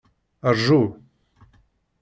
Rju.